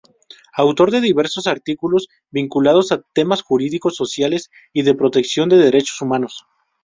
Autor de diversos artículos vinculados a temas jurídico-sociales y de protección de derechos humanos.